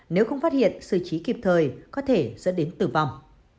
nếu không phát hiện xử trí kịp thời có thể dẫn đến tử vong